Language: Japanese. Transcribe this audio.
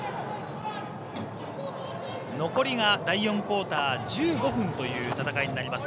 残りが第４クオーター１５分という戦いになります。